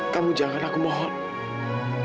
kamu jangan aku mohon